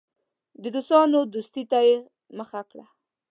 د روسانو دوستۍ ته یې مخه کړه.